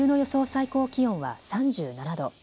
最高気温は３７度。